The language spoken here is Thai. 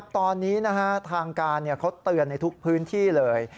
ตอนนี้ทางการเขาเตือนในทุกพื้นที่เลย